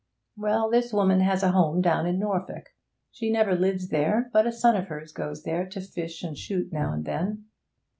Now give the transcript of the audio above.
Well, this woman has a home down in Norfolk. She never lives there, but a son of hers goes there to fish and shoot now and then.